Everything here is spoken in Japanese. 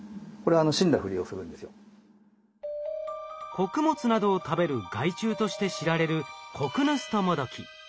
穀物などを食べる害虫として知られるコクヌストモドキ。